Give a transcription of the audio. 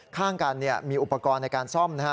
ข้างกันมีอุปกรณ์ในการซ่อมนะฮะ